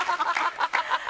ハハハハ！